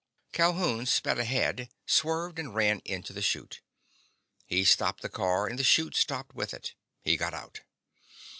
Calhoun sped ahead, swerved and ran into the chute. He stopped the car and the chute stopped with it. He got out.